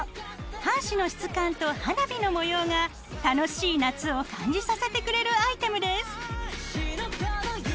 半紙の質感と花火の模様が楽しい夏を感じさせてくれるアイテムです。